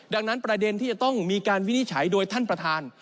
ดังนั้นประเด็นที่จะต้องมีการวินิจฉัยโดยท่านประธาน